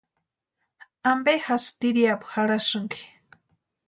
¿Ampe jásï tiriapu jarhasïnki?